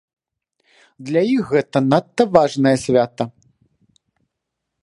Для іх гэта надта важнае свята.